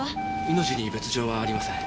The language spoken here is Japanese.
命に別条はありません。